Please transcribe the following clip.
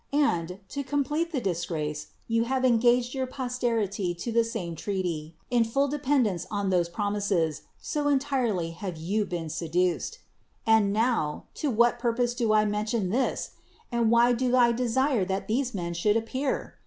And, to complete the disgrace, you have en gaged your posterity to the same treaty, in full dependence on those promises; so entirely have you been seduced. And now, to what purpose do I mention this? and why do I desire that these men should ap pear?